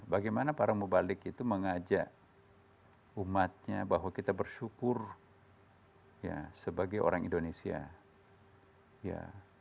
bagaimana para mubalik itu mengajak umatnya bahwa kita bersyukur ya sebagai orang indonesia ya